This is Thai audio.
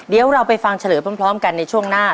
เดี๋ยวเราไปฟังเฉลยพร้อมกันในช่วงหน้า